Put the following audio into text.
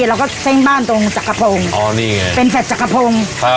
เราก็เซ้งบ้านตรงจักรพงอ๋อนี่ไงเป็นแท็กกระพงครับ